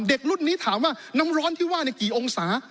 เด็กรุ่นนี้ถามว่าน้ำร้อนที่ว่าในกี่องศา